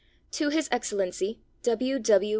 To His Excellency, W. W.